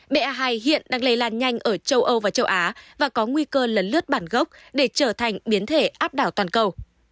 ba hai hiện đang lây lan nhanh ở châu âu và châu á và có nguy cơ lấn lướt bản gốc để trở thành biến thể áp đảo toàn cầu